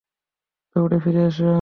দৌড়ে ফিরে এসো!